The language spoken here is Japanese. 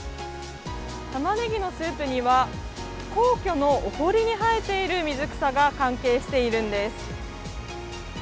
タマネギのスープには、皇居のお堀に生えている水草が関係しているんです。